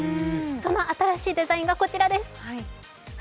その新しいデザインがこちらです。